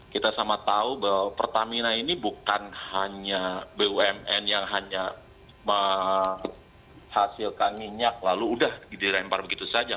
kita sama tahu bahwa pertamina ini bukan hanya bumn yang hanya menghasilkan minyak lalu udah dilempar begitu saja